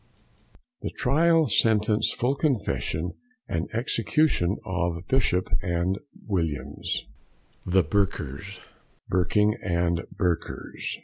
THE TRIAL, SENTENCE, FULL CONFESSION, AND EXECUTION OF BISHOP & WILLIAMS, THE BURKERS. BURKING AND BURKERS.